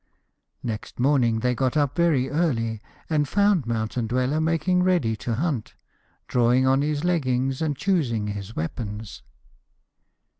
Next morning they got up very early and found Mountain Dweller making ready to hunt, drawing on his leggings and choosing his weapons.